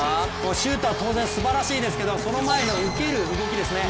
シュートは当然すばらしいですけど、その前の受ける動きですね